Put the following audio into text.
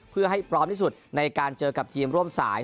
เพื่อให้พร้อมที่สุดในการเจอกับทีมร่วมสาย